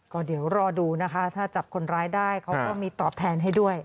ก็เดี๋ยวรอดูนะคะถ้าจับคนร้ายได้เขาก็มีตอบแทนให้ด้วย